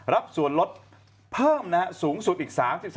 รับส่วนลดเพิ่มนะฮะสูงสุดอีก๓๓